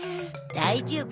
大丈夫。